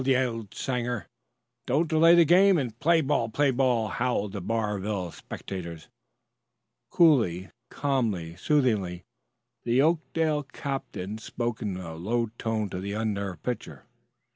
yelled Sanger. "Don't delay the game!" And, "Play ball! play ball!" howled the Barville spectators. Coolly, calmly, soothingly, the Oakdale captain spoke in a low tone to the unnerved pitcher.